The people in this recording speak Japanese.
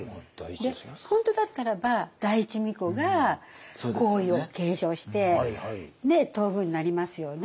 本当だったらば第一皇子が皇位を継承して東宮になりますよね。